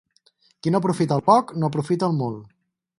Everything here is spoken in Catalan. Qui no aprofita el poc, no aprofita el molt.